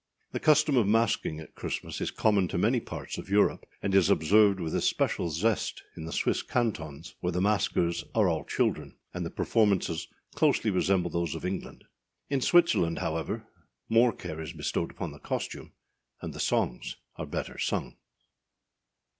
The custom of masking at Christmas is common to many parts of Europe, and is observed with especial zest in the Swiss cantons, where the maskers are all children, and the performances closely resemble those of England. In Switzerland, however, more care is bestowed upon the costume, and the songs are better sung.